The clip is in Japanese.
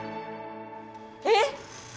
えっ！